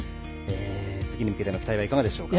次に向けての期待はいかがでしょうか？